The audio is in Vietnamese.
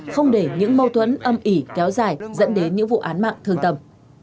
không để những mâu thuẫn âm ỉ kéo dài dẫn đến những vụ án mạng thường tầm